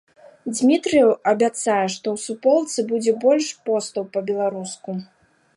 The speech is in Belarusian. Дзмітрыеў абяцае, што ў суполцы будзе больш постаў па-беларуску.